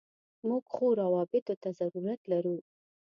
موږ ښو راوبطو ته ضرورت لرو.